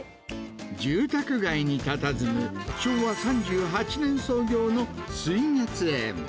住宅街にたたずむ、昭和３８年創業の酔月園。